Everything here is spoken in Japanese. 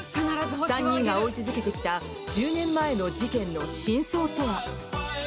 ３人が追い続けてきた１０年前の事件の真相とは？